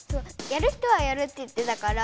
やる人はやるって言ってたから。